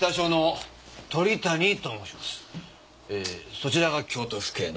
そちらが京都府警の？